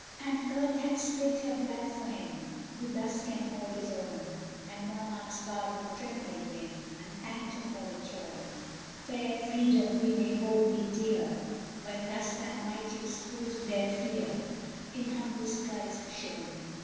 And Earth hath spilt her blood for him, Who thus can hoard his own! And Monarchs bowed the trembling limb, And thanked him for a throne! Fair Freedom! we may hold thee dear, When thus thy mightiest foes their fear In humblest guise have shown.